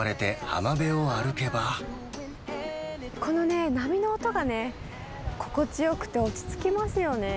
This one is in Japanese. このね、波の音がね、心地よくて落ち着きますよね。